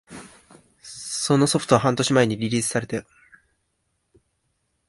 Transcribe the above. そのソフトは半年前にリリースされたよ